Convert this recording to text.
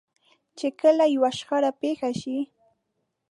چې کله يوه شخړه پېښه شي.